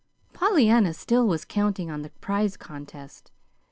Pollyanna still was counting on the prize contest.